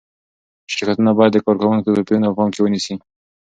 شرکتونه باید د کارکوونکو توپیرونه په پام کې ونیسي.